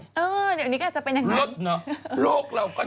เดี๋ยวนี้ก็อาจจะเป็นอย่างนั้น